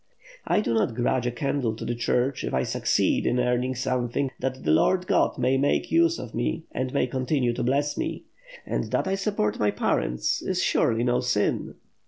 "I do not grudge a candle to the Church if I succeed in earning something, that the Lord God may make use of me and may continue to bless me. And that I support my parents, is surely no sin."